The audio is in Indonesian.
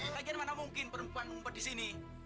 bagian mana mungkin perempuan mumpet di sini